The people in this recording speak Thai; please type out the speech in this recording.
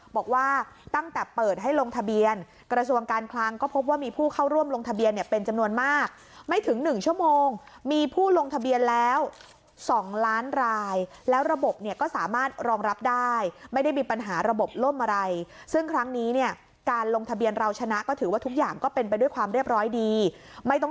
บอกว่าตั้งแต่เปิดให้ลงทะเบียนกระทรวงการคลังก็พบว่ามีผู้เข้าร่วมลงทะเบียนเนี่ยเป็นจำนวนมากไม่ถึง๑ชั่วโมงมีผู้ลงทะเบียนแล้ว๒ล้านรายแล้วระบบเนี่ยก็สามารถรองรับได้ไม่ได้มีปัญหาระบบล่มอะไรซึ่งครั้งนี้เนี่ยการลงทะเบียนเราชนะก็ถือว่าทุกอย่างก็เป็นไปด้วยความเรียบร้อยดีไม่ต้อง